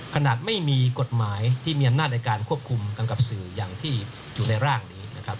ขนาดไม่มีกฎหมายที่มีอำนาจในการควบคุมกำกับสื่ออย่างที่อยู่ในร่างนี้นะครับ